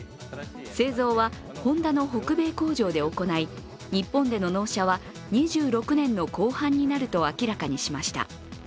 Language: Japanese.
製造はホンダの北米工場で行い日本での納車は２６年の後半になると明らかにしました。